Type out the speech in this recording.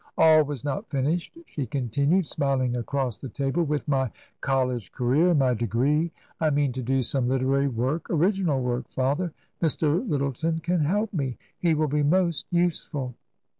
All was not finished," she continued, smiling across the table, " with my college career and my degree. I mean to do some literary work — original work, father. Mr. Lyttleton can help me. He will be most useful."